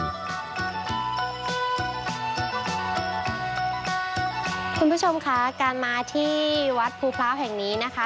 คุณผู้ชมค่ะการมาที่วัดภูพร้าวแห่งนี้นะคะ